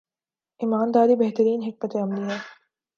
ایمان داری بہترین حکمت عملی ہے۔